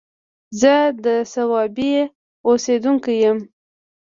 زه د صوابۍ اوسيدونکی يم